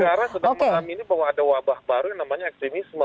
jadi negara sudah mengamini bahwa ada wabah baru yang namanya ekstremisme